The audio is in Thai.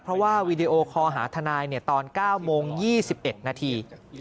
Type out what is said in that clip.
เพราะว่าวีดีโอคอลหาทนายตอน๙โมง๒๑นาที